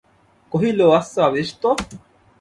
কহিল, আচ্ছা, বেশ তো।